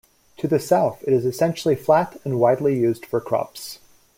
To the south it is essentially flat and widely used for crops.